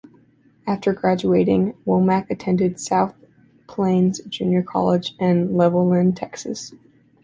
After graduating, Womack attended South Plains Junior College in Levelland, Texas.